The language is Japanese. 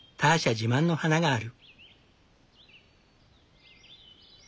自慢の花がある。